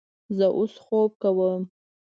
زه اوس خوب کوم